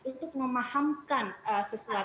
untuk memahamkan sesuatu